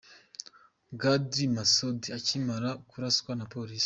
Khalid Masood akimara kuraswa na polisi.